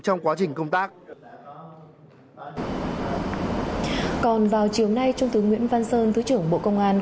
trung tướng nguyễn văn sơn thứ trưởng bộ công an